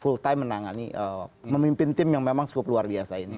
full time menangani memimpin tim yang memang cukup luar biasa ini